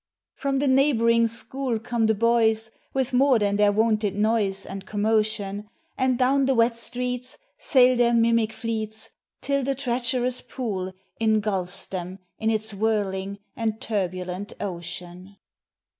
From the neighboring school Come the boys, With more than their wonted noise And commotion ; And down the wet streets Sail their mimic Heels, Till the treacherous pool Ingulfs them in its whirling And turbulent ocean.